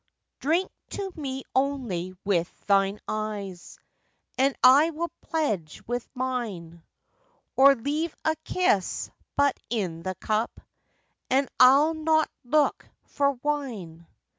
Drink to me only with thine eyes, And I will pledge with mine; Or leave a kiss but in the cup, And I'll not look for wine.